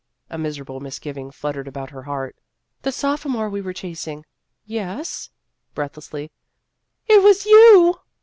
" A miserable misgiving fluttered about her heart. " That sophomore we were chasing " "Yes?" breathlessly. " It was you